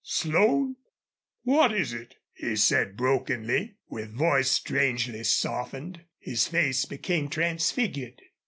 "Slone what is it?" he said, brokenly, with voice strangely softened. His face became transfigured.